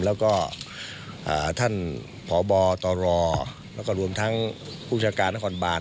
แล้วก็ท่านพบตรแล้วก็รวมทั้งผู้จัดการนครบาน